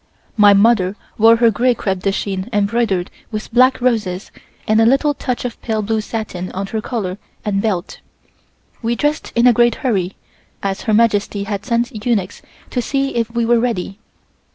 My mother wore her gray crepe de chine embroidered with black roses and a little touch of pale blue satin on her collar and belt. We dressed in a great hurry, as Her Majesty had sent eunuchs to see if we were ready.